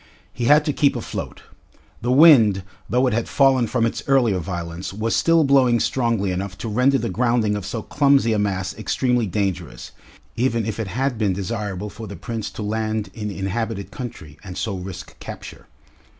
He had to keep afloat. The wind, though it had fallen from its earlier violence, was still blowing strongly enough to render the grounding of so clumsy a mass extremely dangerous, even if it had been desirable for the Prince to land in inhabited country, and so risk capture.